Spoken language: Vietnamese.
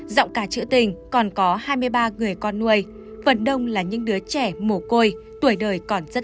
rộng cả chữ tình còn có hai mươi ba người con nuôi phần đông là những đứa trẻ mổ côi tuổi đời còn rất